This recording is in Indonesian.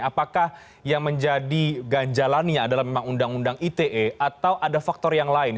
apakah yang menjadi ganjalannya adalah memang undang undang ite atau ada faktor yang lain